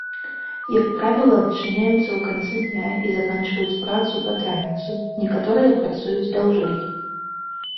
Як правіла адчыняюцца ў канцы дня і заканчваюць працу пад раніцу, некаторыя працуюць даўжэй.